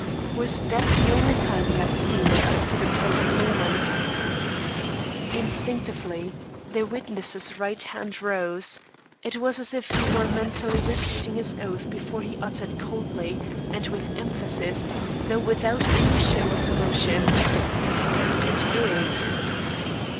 "Was that the only time you have seen it up to the present moment?" Instinctively, the witness's right hand rose; it was as if he were mentally repeating his oath before he uttered coldly and with emphasis, though without any show of emotion: "It is."